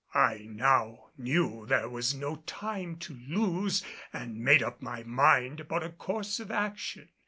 I now knew there was no time to lose, and made up my mind upon a course of action.